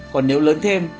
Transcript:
còn nếu lớn thêm